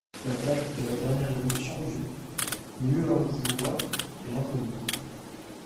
La date de la dernière éruption du Muhavura est inconnue.